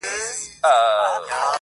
د بې عقل جواب سکوت دئ -